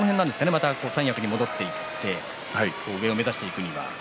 また三役に戻って上を目指していくためには。